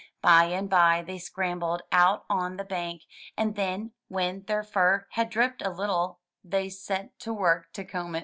By and by they scrambled out on the bank, and then, when their fur had dripped a little, they set to work to comb it.